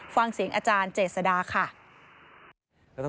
ฟังเสียงอาจารย์เจษดาค่ะ